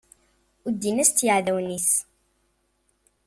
Uddin-as-tt yiɛdawen-is.